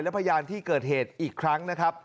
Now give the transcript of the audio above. และพยานที่เกิดเหตุอีกครั้งนะครับ